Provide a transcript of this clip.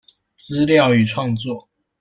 資料與創作